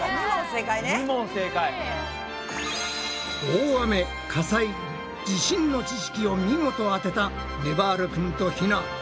大雨火災地震の知識を見事当てたねばる君とひな。